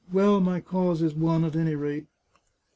" Well, my cause is won, at any rate